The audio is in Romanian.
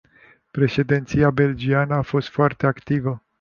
Președinția belgiană a fost foarte activă.